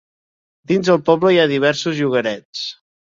Dins el poble hi ha diversos llogarets.